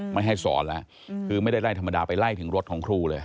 ไม่ให้สอนแล้วคือไม่ได้ไล่ธรรมดาไปไล่ถึงรถของครูเลย